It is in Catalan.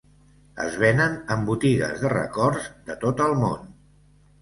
Es venen en botigues de records de tot el món.